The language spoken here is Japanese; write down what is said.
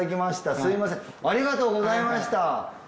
すみませんありがとうございました。